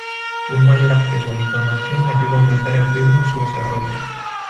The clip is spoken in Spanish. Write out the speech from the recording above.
Un mayor acceso a la información ayuda a aumentar el ritmo de su desarrollo.